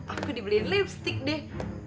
aku dibeliin lipstick deh